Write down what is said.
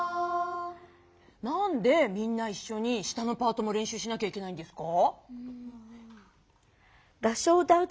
何でみんないっしょに下のパートもれんしゅうしなきゃいけないんですか？